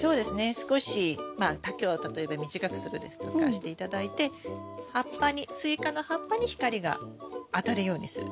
少しまあ丈を例えば短くするですとかして頂いて葉っぱにスイカの葉っぱに光が当たるようにする。